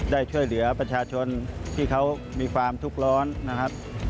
ได้ช่วยเหลือประชาชนที่เขามีความทุกข์ร้อนนะครับ